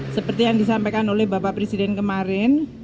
seperti yang disampaikan oleh bapak presiden kemarin